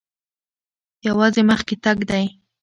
یوازې مخکې تګ دی.